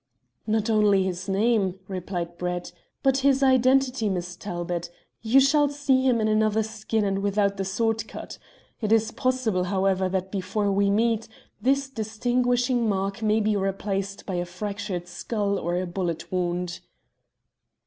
"Not only his name," replied Brett, "but his identity, Miss Talbot. You shall see him in another skin and without the sword cut. It is possible, however, that before we meet, this distinguishing mark may be replaced by a fractured skull or a bullet wound."